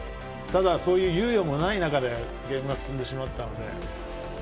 ただ、そういう猶予もない中でゲームが進んでしまったので。